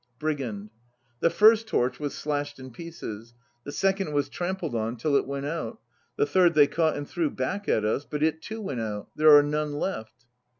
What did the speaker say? * BRIGAND. The first torch was slashed in pieces ; the second was trampled on till it went out; the third they caught and threw back at us, but it too went out. There are none left.